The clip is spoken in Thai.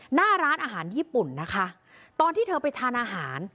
หน้าร้านอาหารญี่ปุ่นนะคะตอนที่เธอไปทานอาหาร